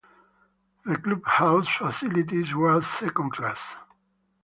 The clubhouse facilities were second-class.